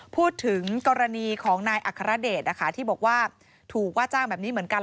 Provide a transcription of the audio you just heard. พูดถึงกรณีของนายอัครเดชนะคะที่บอกว่าถูกว่าจ้างแบบนี้เหมือนกัน